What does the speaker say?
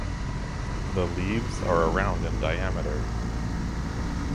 The leaves are around in diameter.